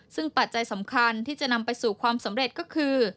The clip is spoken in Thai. ซึ่งปัจจัยสำคัญที่จะนำไปสู่ความสำเร็จก็คือ